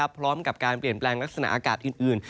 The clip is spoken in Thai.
พร้อมกับการเปลี่ยนแปลงลักษณะอากาศอื่น